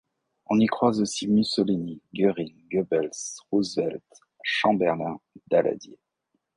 On y croise aussi Mussolini, Goering, Goebbels, Roosevelt, Chamberlain, Daladier...